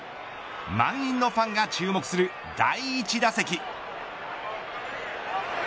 満員のファンが注目する第１打席。